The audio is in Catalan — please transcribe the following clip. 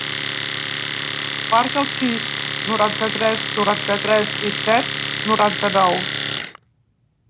Marca el sis, noranta-tres, noranta-tres, disset, noranta-nou.